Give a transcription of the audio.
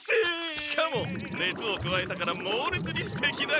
しかもねつをくわえたからもうれつにすてきなかおり！